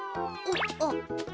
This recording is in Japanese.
あっ。